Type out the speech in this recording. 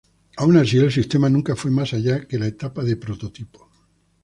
Aun así, el sistema nunca fue más allá que la etapa de prototipo.